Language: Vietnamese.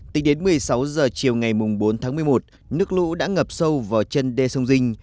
tính đến một mươi sáu h chiều ngày bốn tháng một mươi một nước lũ đã ngập sâu vào chân đê sông dinh